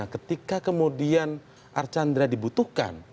ketika kemudian arkanra dibutuhkan